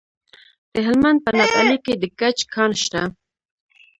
د هلمند په نادعلي کې د ګچ کان شته.